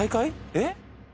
えっ？